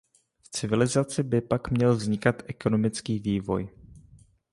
V civilizaci by pak měl vznikat ekonomický vývoj.